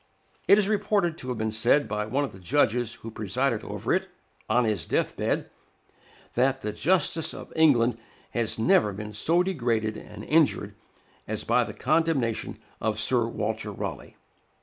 It is reported to have been said by one of the judges who presided over it, on his death bed, that "the justice of England had never been so degraded and injured as by the condemnation of Sir Walter Raleigh."